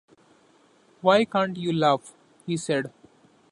“Why can’t you laugh?” he said.